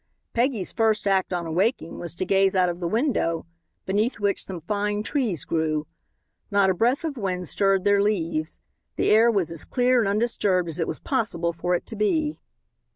Peggy's first act on awaking was to gaze out of the window, beneath which some fine trees grew. Not a breath of wind stirred their leaves. The air was as clear and undisturbed as it was possible for it to be.